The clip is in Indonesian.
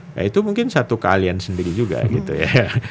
nah itu mungkin satu keahlian sendiri juga gitu ya